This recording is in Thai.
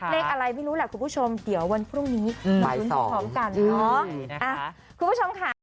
เลขอะไรไม่รู้แหละคุณผู้ชมเดี๋ยววันพรุ่งนี้มารุนพรุ่งพร้อมกัน